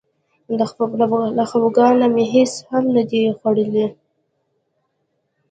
له خپګانه مې هېڅ هم نه دي خوړلي.